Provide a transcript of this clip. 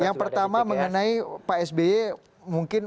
yang pertama mengenai pak s wendel mungkin